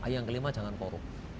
yang kelima jangan korup